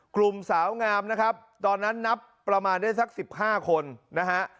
กลุ่มสาวงามนะครับตอนนั้นนับประมาณได้สัก๑๕คนนะฮะ